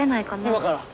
今から。